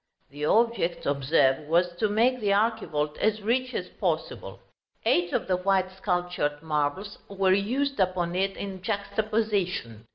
The object, observe, was to make the archivolt as rich as possible; eight of the white sculptured marbles were used upon it in juxtaposition.